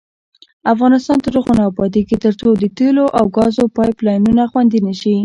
افغانستان تر هغو نه ابادیږي، ترڅو د تیلو او ګازو پایپ لاینونه خوندي نشي.